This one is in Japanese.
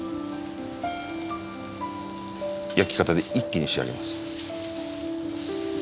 焼き方で一気に仕上げます。